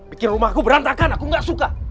bikin rumah aku berantakan aku gak suka